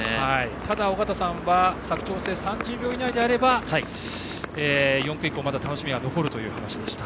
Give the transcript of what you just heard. ただ、尾方さんは佐久長聖が３０秒以内であれば４区以降、まだ楽しみが残るという話でした。